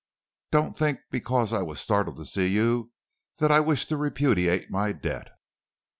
Don't think because I was startled to see you that I wish to repudiate my debt.